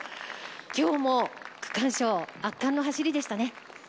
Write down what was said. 今日も区間賞圧巻の走りでしたね。